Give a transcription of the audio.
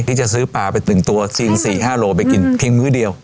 ที่จะซื้อปลาเป็น๑ตัว๔๕โลไปกินครีมมื้อเดียว